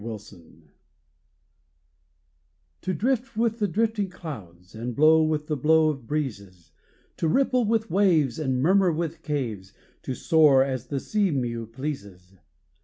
WILDNESS To drift with the drifting clouds, And blow with the blow of breezes, To ripple with waves and murmur with caves To soar, as the sea mew pleases!